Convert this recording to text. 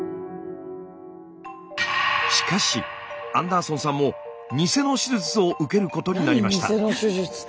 しかしアンダーソンさんもニセの手術を受けることになりました。